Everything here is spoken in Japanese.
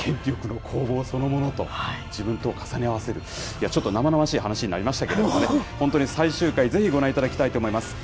攻防そのものと、自分とを重ね合わせる、ちょっとなまなましい話になりましたけれどもね、本当に最終回、ぜひご覧いただきたいと思います。